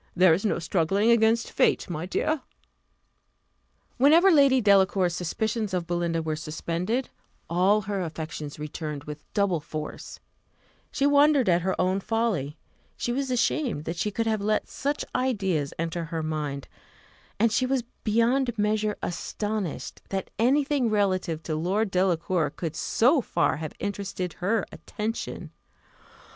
There is no struggling against fate, my dear!" Whenever Lady Delacour's suspicions of Belinda were suspended, all her affections returned with double force; she wondered at her own folly, she was ashamed that she could have let such ideas enter her mind, and she was beyond measure astonished that any thing relative to Lord Delacour could so far have interested her attention.